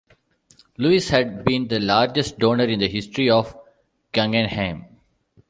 Lewis had been the largest donor in the history of the Guggenheim.